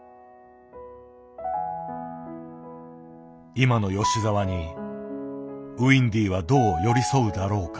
今の吉澤にウインディはどう寄り添うだろうか。